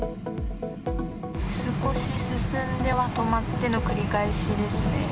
少し進んでは止まっての繰り返しですね。